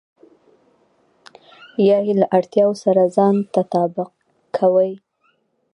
يا يې له اړتياوو سره ځان تطابق کوئ.